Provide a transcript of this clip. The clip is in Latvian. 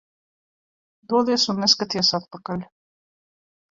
Dodies un neskaties atpakaļ.